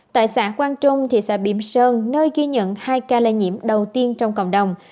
tại xã quang trung thị xã biểm sơn nơi ghi nhận hai ca lây nhiễm đầu tiên trong cộng đồng